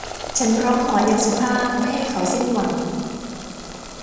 ฉันร้องขออย่างสุภาพไม่ให้เขาสิ้นหวัง